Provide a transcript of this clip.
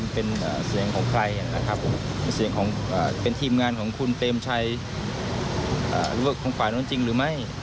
เป็นทีมงานของคุณเต็มชัยหรือว่าของฝ่านั้นจริงหรือไม่